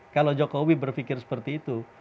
kalau jokowi berpikir seperti itu